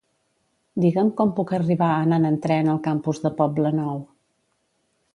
Digue'm com puc arribar anant en tren al campus de Poblenou.